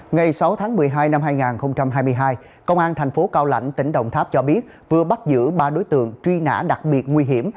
ngày sáu tháng một mươi hai năm hai nghìn hai mươi hai công an thành phố cao lãnh tỉnh đồng tháp cho biết vừa bắt giữ ba đối tượng truy nã đặc biệt nguy hiểm